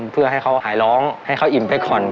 เพื่อให้เขาหายร้องให้เขาอิ่มไปก่อน